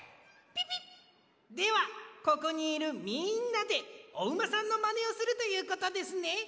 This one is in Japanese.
ピピッではここにいるみんなでおうまさんのまねをするということですね。